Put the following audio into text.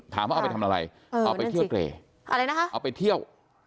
ทำว่าเอาไว้ทำอะไรเอาไปเที่ยวเกรเที่ยว